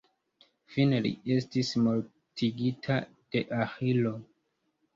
Fine, li estis mortigita de Aĥilo.